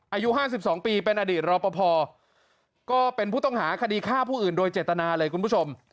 อายุ๕๒ปีเป็นอดีตรอปภก็เป็นผู้ต้องหาคดีฆ่าผู้อื่นโดยเจตนาเลยคุณผู้ชม